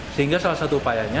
sehingga salah satu upayanya